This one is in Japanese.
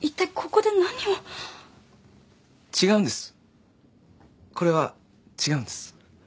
これは違うんです。